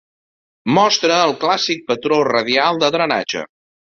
Mostra el clàssic patró radial de drenatge.